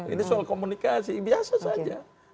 ini soal komunikasi biasa saja